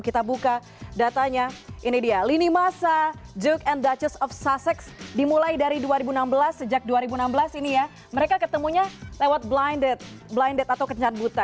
kita buka datanya ini dia lini masa joke and duchess of sussex dimulai dari dua ribu enam belas sejak dua ribu enam belas ini ya mereka ketemunya lewat blinded atau kencan buta